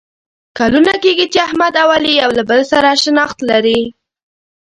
کلونه کېږي چې احمد او علي یو له بل سره شناخت لري.